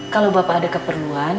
kalo bapak ada keperluan